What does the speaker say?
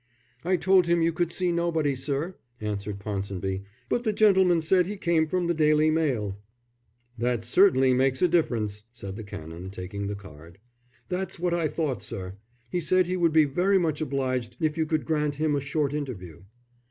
"I told him you could see nobody, sir," answered Ponsonby, "but the gentleman said he came from the Daily Mail." "That certainly makes a difference," said the Canon, taking the card. "That's what I thought, sir. He said he would be very much obliged if you could grant him a short interview."